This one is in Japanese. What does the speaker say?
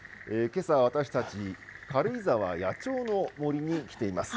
けさ、私たち、軽井沢野鳥の森に来ています。